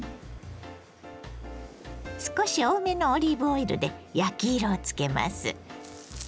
少し多めのオリーブオイルで焼き色をつけます。